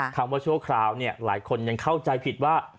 คำว่าชั่วคราวเนี่ยหลายคนยังเข้าใจผิดว่า